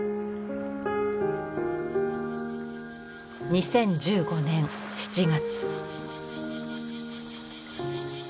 ２０１５年７月。